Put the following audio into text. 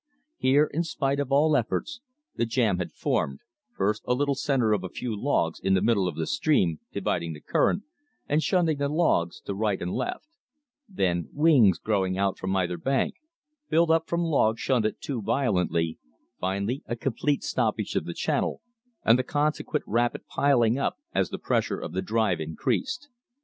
Here, in spite of all efforts, the jam had formed, first a little center of a few logs in the middle of the stream, dividing the current, and shunting the logs to right and left; then "wings" growing out from either bank, built up from logs shunted too violently; finally a complete stoppage of the channel, and the consequent rapid piling up as the pressure of the drive increased.